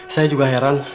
saya juga heran